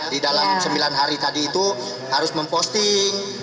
di dalam sembilan hari tadi itu harus memposting